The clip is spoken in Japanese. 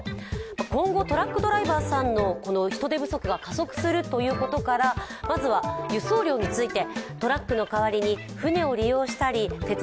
コンゴトラックドライバーさんの人手不足が加速するということから、まずは輸送量について。